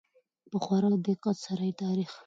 په خورا دقت سره يې تاريخ